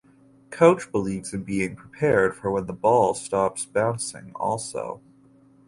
Coach believes in being prepared for when the ball stops bouncing also!